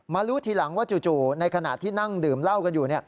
รู้ทีหลังว่าจู่ในขณะที่นั่งดื่มเหล้ากันอยู่